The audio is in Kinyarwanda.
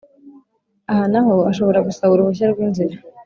aha n aho ashobora gusaba uruhushya rw’inzira.